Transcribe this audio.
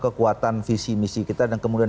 kekuatan visi misi kita dan kemudian